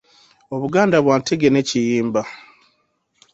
Obuganda bwa Ntege ne Kiyimba.